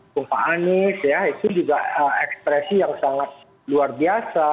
tumpah anies ya itu juga ekspresi yang sangat luar biasa